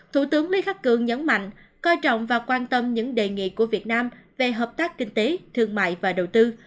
thủ tướng lý khắc cường nhấn mạnh coi trọng và quan tâm những đề nghị của việt nam về hợp tác kinh tế thương mại và đầu tư